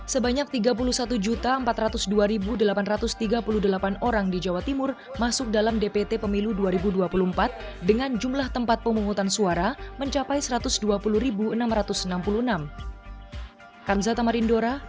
sebanyak tiga puluh satu empat ratus dua delapan ratus tiga puluh delapan orang di jawa timur masuk dalam dpt pemilu dua ribu dua puluh empat dengan jumlah tempat pemungutan suara mencapai satu ratus dua puluh enam ratus enam puluh enam